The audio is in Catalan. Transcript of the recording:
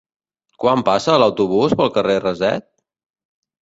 Quan passa l'autobús pel carrer Raset?